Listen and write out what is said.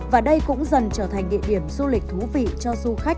và đây cũng dần trở thành địa điểm du lịch thú vị cho du khách